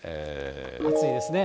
暑いですね。